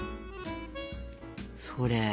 それ。